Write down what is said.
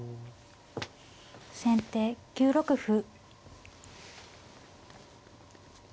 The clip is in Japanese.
先手９六歩。